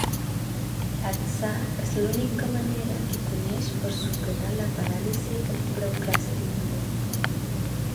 L'atzar és l'única manera que coneix per superar la paràlisi del procrastinador.